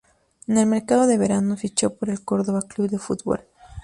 En el mercado de verano fichó por el Córdoba Club de Fútbol.